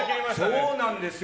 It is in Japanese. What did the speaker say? そうなんですよ。